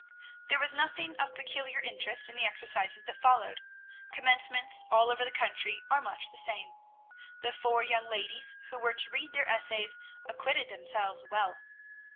There was nothing of peculiar interest in the exercises that followed. Commencements all over the country are much the same. The four young ladies who were to read their essays acquitted themselves well.